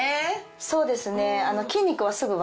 そうですね。